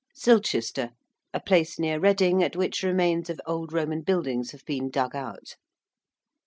~Silchester~: a place near Reading at which remains of old Roman buildings have been dug out.